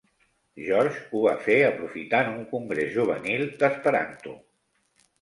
George ho va fer aprofitant un Congrés Juvenil d'Esperanto.